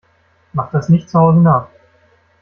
Macht das nicht zu Hause nach!